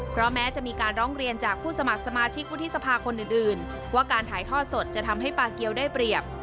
เพราะแม้จะมีการร้องเรียนจากผู้สมัครสมาชิกวุฒิสภาคนอื่นว่าการถ่ายทอดสดจะทำให้ปาเกียวได้เปรียบ